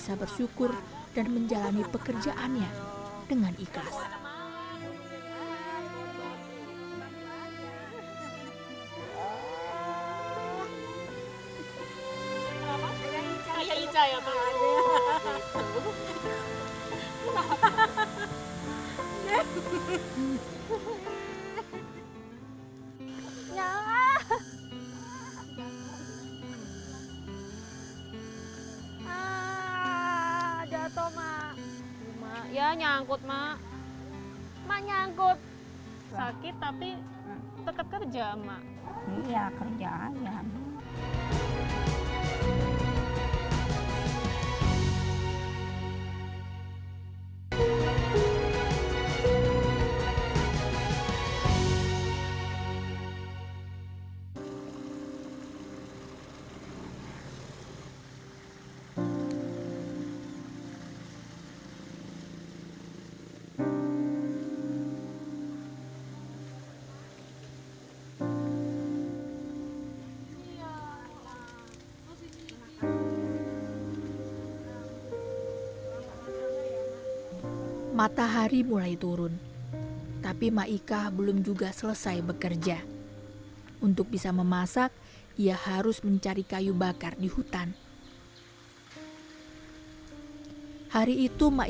jadi ma bukan yang ngebukin yang itu